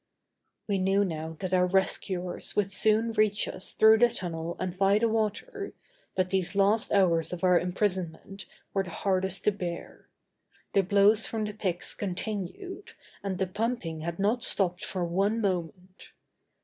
We knew now that our rescuers would soon reach us through the tunnel and by the water, but these last hours of our imprisonment were the hardest to bear. The blows from the picks continued, and the pumping had not stopped for one moment.